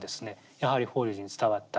やはり法隆寺に伝わった。